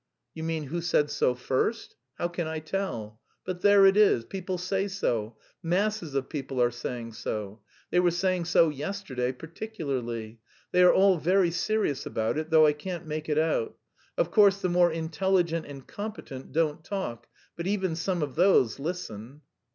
"You mean, who said so first? How can I tell? But there it is, people say so. Masses of people are saying so. They were saying so yesterday particularly. They are all very serious about it, though I can't make it out. Of course the more intelligent and competent don't talk, but even some of those listen."